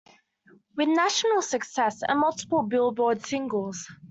With national success and multiple Billboard singles.